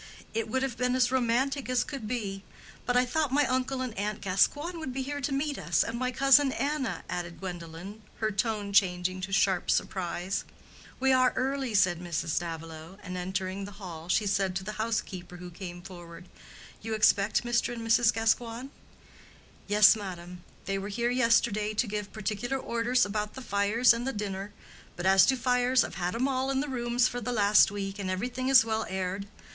It would have been as romantic as could be. But I thought my uncle and aunt Gascoigne would be here to meet us, and my cousin Anna," added Gwendolen, her tone changed to sharp surprise. "We are early," said Mrs. Davilow, and entering the hall, she said to the housekeeper who came forward, "You expect Mr. and Mrs. Gascoigne?" "Yes, madam; they were here yesterday to give particular orders about the fires and the dinner. But as to fires, I've had 'em in all the rooms for the last week, and everything is well aired.